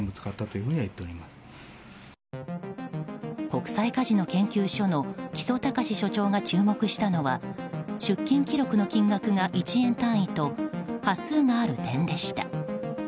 国際カジノ研究所の木曽崇所長が注目したのは出金記録の金額が１円単位と端数がある点でした。